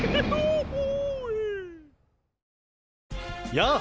やあ！